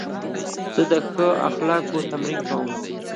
زه د ښو اخلاقو تمرین کوم.